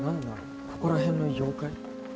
ここら辺の妖怪？